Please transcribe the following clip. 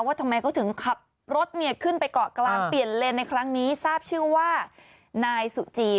ทำไมเขาถึงขับรถเนี่ยขึ้นไปเกาะกลางเปลี่ยนเลนในครั้งนี้ทราบชื่อว่านายสุจี